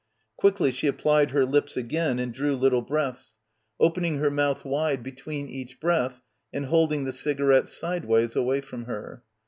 Quickly she applied her lips again and drew little breaths, opening her mouth wide between each breath and holding the cigarette sideways away from her.